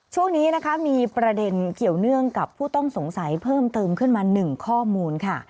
ช่วงนี้นะคะมีประเด็นเกี่ยวเนื่องกับผู้ต้องสงสัยเพิ่มเติมขึ้นมา๑ข้อมูลค่ะ